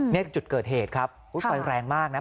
เนี้ยก็จุดเกิดเหตุครับอุ๊ยไฟแรงมากนะ